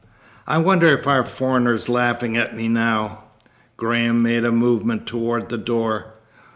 "I wonder if our foreigner's laughing at me now." Graham made a movement toward the door.